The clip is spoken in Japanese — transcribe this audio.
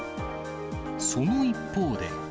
その一方で。